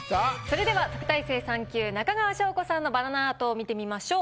それでは特待生３級中川翔子さんのバナナアートを見てみましょう。